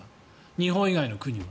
日本以外の国が。